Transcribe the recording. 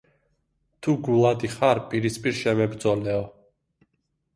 თუ გულადი ხარ, პირისპირ შემებრძოლეო